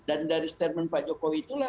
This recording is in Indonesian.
dan dari statement pak jokowi itulah